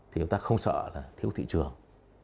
thì chúng ta không sợ là thiếu thị trường